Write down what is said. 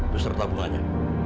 terus tertabung aja